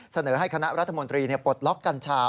เสนอให้คณะรัฐมนตรีปลดล็อกกัญชา